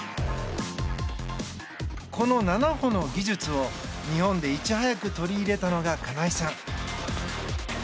この７歩の技術を日本でいち早く取り入れたのが金井さん。